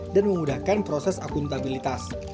dan memudahkan proses akuntabilitas